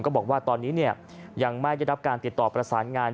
บอกว่าตอนนี้ยังไม่ได้รับการติดต่อประสานงาน